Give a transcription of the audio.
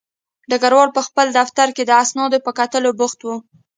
ډګروال په خپل دفتر کې د اسنادو په کتلو بوخت و